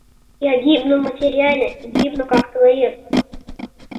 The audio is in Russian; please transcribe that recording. Я гибну материально и гибну как творец.